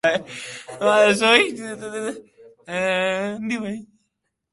まだ消費しきれず山ほど残ってる